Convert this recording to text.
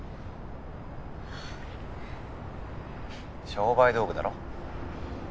商売道具だろ。